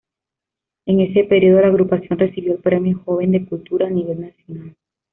En ese período la agrupación recibió el Premio Joven de Cultura a nivel nacional.